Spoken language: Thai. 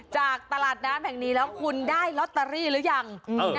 จากตลาดน้ำแห่งนี้แล้วคุณได้ลอตเตอรี่หรือยัง